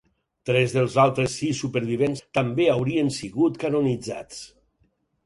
Tres dels altres sis supervivents també haurien sigut canonitzats.